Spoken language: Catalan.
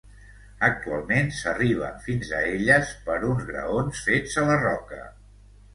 Actualment s'arriba fins a elles per uns graons fets a la roca.